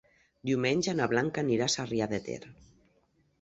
Diumenge na Blanca anirà a Sarrià de Ter.